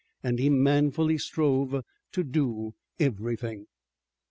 And he manfully strove to do everything.